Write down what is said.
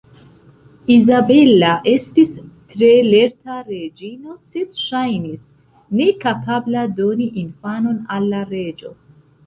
Izabela estis tre lerta reĝino, sed ŝajnis nekapabla doni infanon al la reĝo.